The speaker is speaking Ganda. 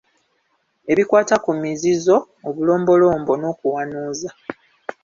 Ebikwata ku mizizo, obulombolombo n’okuwanuuza.